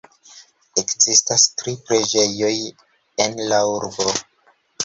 Ekzistas tri preĝejoj en la urbo.